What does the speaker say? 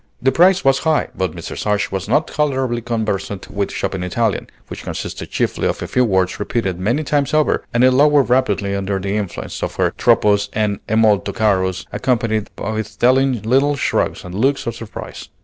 The price was high; but Mrs. Ashe was now tolerably conversant with shopping Italian, which consists chiefly of a few words repeated many times over, and it lowered rapidly under the influence of her troppo's and è molto caro's, accompanied with telling little shrugs and looks of surprise.